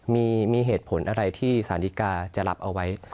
มีเหตุผลอะไรที่สารดีกาจะรับเอาไว้